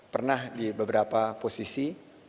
pernah di beberapa posisi